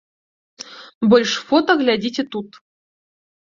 Больш фота глядзіце тут.